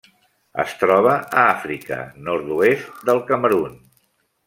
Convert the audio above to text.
Es troba a Àfrica: nord-oest del Camerun.